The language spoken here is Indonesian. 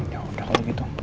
ya udah kalau gitu